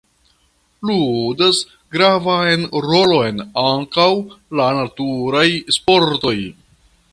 Ludas gravan rolon ankaŭ la naturaj sportoj.